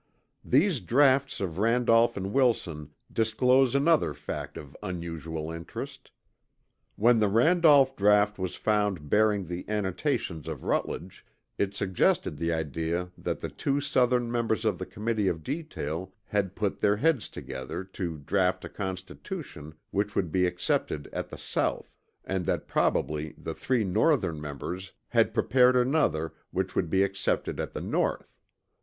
These draughts of Randolph and Wilson disclose another fact of unusual interest. When the Randolph draught was found bearing the annotations of Rutledge, it suggested the idea that the two Southern members of the Committee of Detail had put their heads together to draught a constitution which would be accepted at the South, and that probably the three Northern members had prepared another which would be accepted at the North.